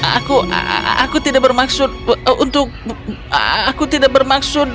aku aku tidak bermaksud untuk aku tidak bermaksud